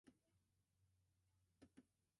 A late injury kept him from travelling with the team.